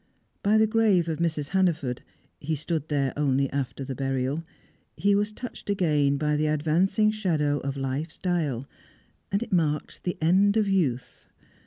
By the grave of Mrs. Hannaford (he stood there only after the burial) he was touched again by the advancing shadow of life's dial, and it marked the end of youth.